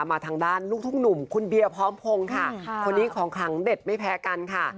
มาทางด้านลูกทุ่งหนุ่มคุณเบียร์พร้อมพงศ์ค่ะคนนี้ของขลังเด็ดไม่แพ้กันค่ะ